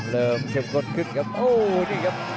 เริ่มเซียงคนขึ้นครับโอ้ววนี่ครับ